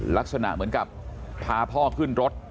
ลักษณะเหมือนกับพาพ่อขึ้นรถ